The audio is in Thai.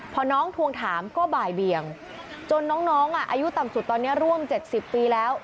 พอน้องทวงถามก็บ่ายเบียงจนน้องอายุต่ำสุดตอนนี้ร่วม๗๐ปีแล้ว